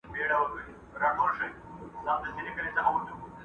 سرلوړى مي دئ د قام او د زامنو.!